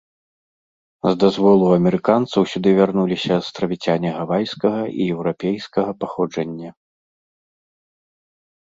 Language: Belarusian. З дазволу амерыканцаў сюды вярнуліся астравіцяне гавайскага і еўрапейскага паходжання.